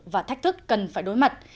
và thách thức cần phải đối mặt